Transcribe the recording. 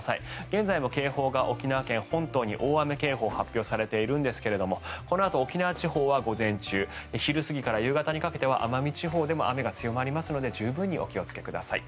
現在も警報が沖縄県本島に大雨警報が発表されているんですがこのあと沖縄地方は午前中昼過ぎから夕方にかけては奄美地方でも雨が強まりますので十分にお気をつけください。